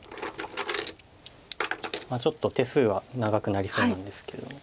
ちょっと手数は長くなりそうなんですけども。